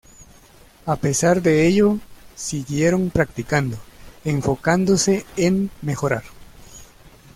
A pesar de ello siguieron practicando, enfocándose en mejorar.